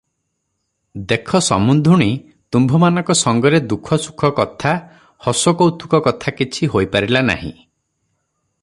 ଦେଖ ସମୁନ୍ଧୁଣୀ ତୁମ୍ଭମାନଙ୍କ ସଙ୍ଗରେ ଦୁଃଖ ସୁଖ କଥା, ହସକୌତୁକ କଥା କିଛି ହୋଇପାରିଲା ନାହିଁ ।